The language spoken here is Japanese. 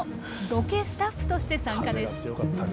ロケスタッフとして参加です。